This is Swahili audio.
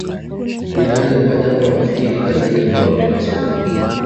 Linaweza kuwa jambo la kufikirika zaidi kwa wapenda soka